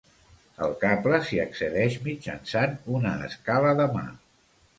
Al cable s'hi accedeix mitjançant una escala de mà.